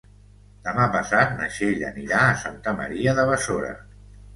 Demà passat na Txell anirà a Santa Maria de Besora.